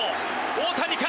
大谷か？